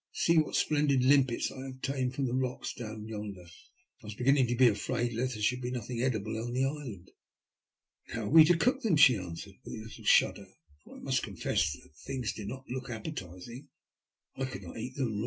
"See what splendid limpets I have obtained from the rocks down yonder. I was beginning to be afraid lest there should be nothing edible on the island." " But how are we to cook them ?" she answered, with a little shudder, for I must confess the things did not look appetising. " I could not eat them raw."